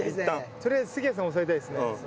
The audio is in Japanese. とりあえず杉谷さん抑えたいですね。